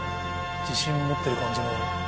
自信を持ってる感じの。